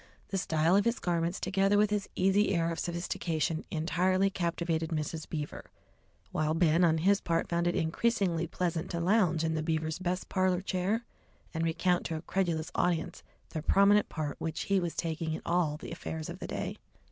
The style of his garments, together with his easy air of sophistication, entirely captivated Mrs. Beaver, while Ben on his part found it increasingly pleasant to lounge in the Beavers' best parlour chair and recount to a credulous audience the prominent part which he was taking in all the affairs of the day.